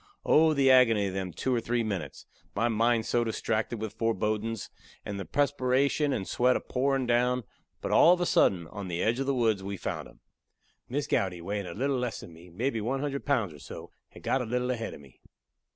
Oh, the agony of them two or three minutes! my mind so distracted with fourbodin's, and the presperation and sweat a pourin' down. But all of a sudden, on the edge of the woods, we found him. Miss Gowdy, weighin' a little less than me, mebby one hundred pounds or so, had got a little ahead of me.